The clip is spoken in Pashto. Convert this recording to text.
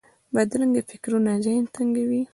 بدرنګه فکرونه ذهن تنګوي